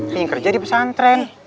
pengen kerja di pesantren